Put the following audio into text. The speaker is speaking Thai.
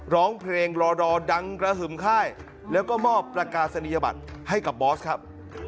ร้องเพลงรอดอดังกระหึ่มค่ายแล้วก็มอบประกาศนียบัตรให้กับบอสครับ